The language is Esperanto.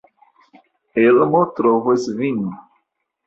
Elmo trovos vin.